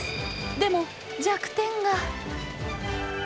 でも、弱点が。